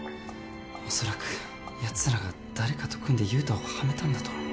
恐らくやつらが誰かと組んで雄太をハメたんだと思う